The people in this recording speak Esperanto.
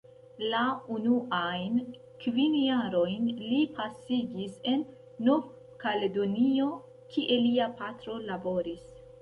La unuajn kvin jarojn li pasigis en Nov-Kaledonio, kie lia patro laboris.